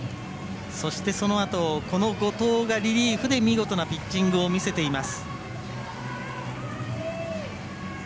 そして、そのあと後藤がリリーフで見事なピッチングを見せています。